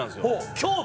京都！